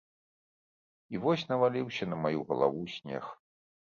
І вось наваліўся на маю галаву снег.